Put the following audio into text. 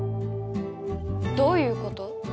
どういうこと？